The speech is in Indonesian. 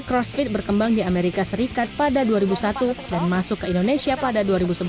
crossfit berkembang di amerika serikat pada dua ribu satu dan masuk ke indonesia pada dua ribu sebelas